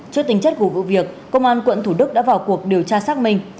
trước tình chất của vụ việc công an quận thủ đức đã vào cuộc điều tra xác minh